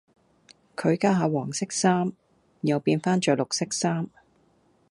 佢家下黃色衫，又變返著綠色衫